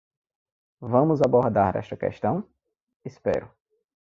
Vamos abordar esta questão?, espero.